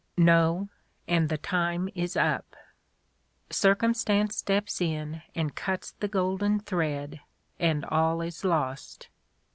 No, and the time is up. Circumstance steps in and cuts the golden thread, and all is lost.